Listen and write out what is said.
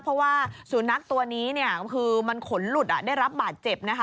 เพราะว่าสุนัขตัวนี้เนี่ยคือมันขนหลุดได้รับบาดเจ็บนะคะ